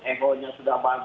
eho nya sudah bagus